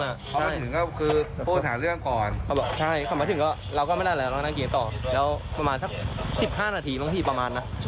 พอมาถึงก็คือพูดหาเรื่องก่อนเขาบอกใช่เขามาถึงก็เราก็ไม่ได้อะไรเรานั่งเกมต่อแล้วประมาณสัก๑๕นาทีบางทีประมาณนะ